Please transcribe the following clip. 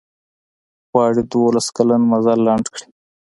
غواړي دولس کلن مزل لنډ کړي.